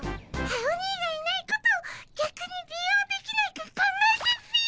アオニイがいないことをぎゃくに利用できないか考えたっピィ！